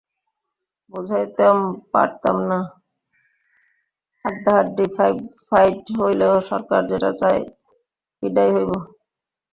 বোঝাইতাম পারতাম না, আড্ডাআড্ডি ফাইট অইলেও সরকার যেটা চায় ইটাই অইব।